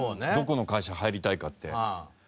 どこの会社入りたいかって。